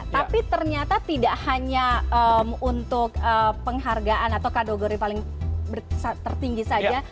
tapi ternyata tidak hanya untuk penghargaan atau kategori paling tertinggi saja